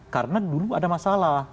karena dulu ada masalah